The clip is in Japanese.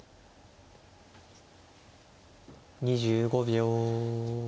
２５秒。